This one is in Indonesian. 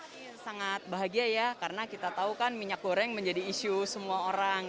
ini sangat bahagia ya karena kita tahu kan minyak goreng menjadi isu semua orang